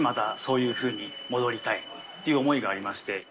是非っていう思いがありまして